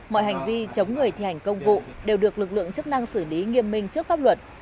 mọi hành vi chống người thi hành công vụ đều được lực lượng chức năng xử lý nghiêm minh trước pháp luật